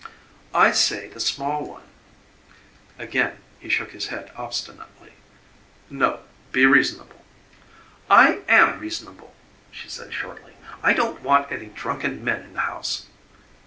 "I say the small one." Again he shook his head obstinately. "No; be reasonable." "I AM reasonable," she said shortly. "I don't want any drunken men in the house."